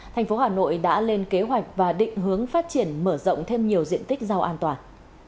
thành phố hà nội đã lên kế hoạch và định hướng phát triển mở rộng thêm nhiều diện tích rau an toàn